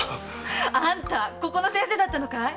あんたここの先生だったのかい？